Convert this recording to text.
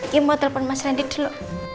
ya mau telepon mas randy dulu